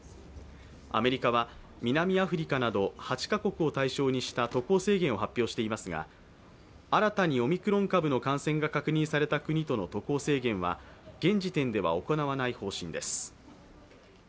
アメリカは南アフリカなど８カ国を対象にした渡航制限を発表していますが新たにオミクロン株の感染が確認された国との渡航制限は現地点では行わない方針です。